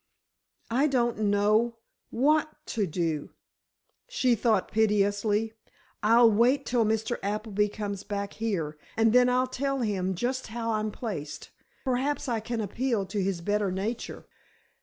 "I don't know what to do," she thought, piteously; "I'll wait till Mr. Appleby comes back here, and then I'll tell him just how I'm placed. Perhaps I can appeal to his better nature."